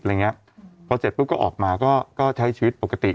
พอเสร็จพวกเขาก็ออกมาใช้ชีวิตปกติ